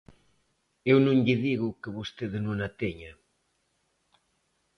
E eu non lle digo que vostede non a teña.